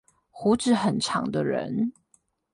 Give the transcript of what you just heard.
鬍子很長的人